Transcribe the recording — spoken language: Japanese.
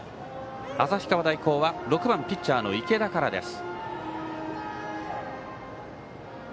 旭川大高は６番ピッチャーの池田からです。